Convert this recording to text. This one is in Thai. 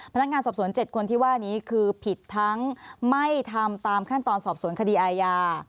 พนักงานสอบสวน๗คนที่ว่านี้คือผิดทั้งไม่ทำตามขั้นตอนสอบสวนคดีอาญา